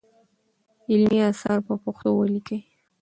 علمي اثار په پښتو ولیکئ.